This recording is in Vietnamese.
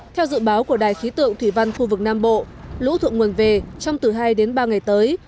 theo dự báo của đài khí tượng thủy văn khu vực nam bộ lũ thượng nguồn về trong từ hai đến ba ngày tới